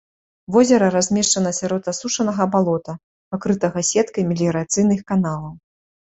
Возера размешчана сярод асушанага балота, пакрытага сеткай меліярацыйных каналаў.